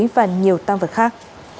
và nhiều tăng vật khác